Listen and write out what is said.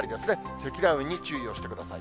積乱雲に注意をしてください。